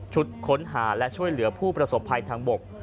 ค้นหาและช่วยเหลือผู้ประสบภัยทางบก